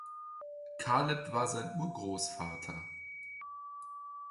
Caleb war sein Urgroßvater.